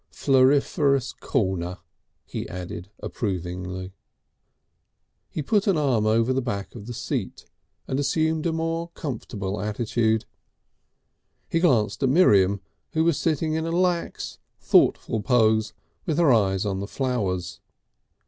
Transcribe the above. "Floriferous corner," he added approvingly. He put an arm over the back of the seat, and assumed a more comfortable attitude. He glanced at Miriam, who was sitting in a lax, thoughtful pose with her eyes on the flowers.